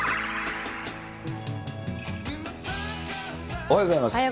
おはようございます。